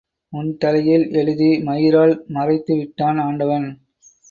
உன் தலையில் எழுதி மயிரால் மறைத்து விட்டான் ஆண்டவன்.